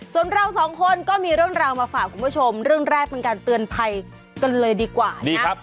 ส่วนเราสองคนก็มีเรื่องราวมาฝากคุณผู้ชมเรื่องแรกเป็นการเตือนภัยกันเลยดีกว่านะครับ